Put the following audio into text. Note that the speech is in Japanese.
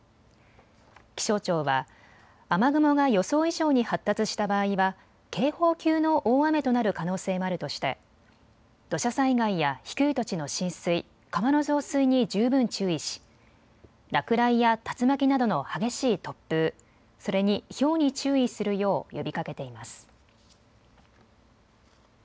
気象庁は雨雲が予想以上に発達した場合は警報級の大雨となる可能性もあるとして土砂災害や低い土地の浸水、川の増水に十分注意し落雷や竜巻などの激しい突風、それに、ひょうに注意するよう呼びかけています。